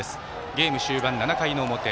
ゲーム終盤、７回の表。